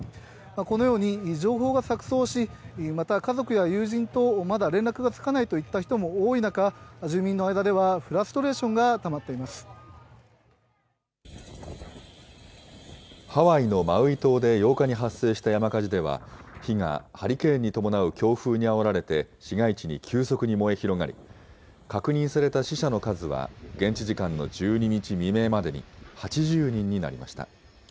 このように、情報が錯そうし、また家族や友人とまだ連絡がつかないといった人も多い中、住民の間ではフラストレーションがたまっハワイのマウイ島で８日に発生した山火事では、火がハリケーンに伴う強風にあおられて市街地に急速に燃え広がり、確認された死者の数は、現地時間の１２日未明までに８０人になりました。